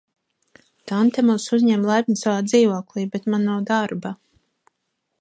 Tante mūs uzņem laipni savā dzīvoklī, bet man nav darba.